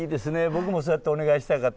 僕もそうやってお願いしたかった。